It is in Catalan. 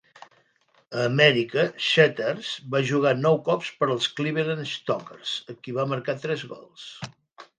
A Amèrica, Setters va jugar nou cops per als Cleveland Stokers, amb qui va marcar tres gols.